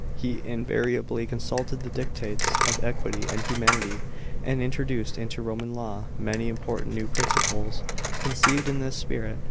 He invariably consulted the dictates of equity and humanity, and introduced into Roman law many important new principles, conceived in this spirit.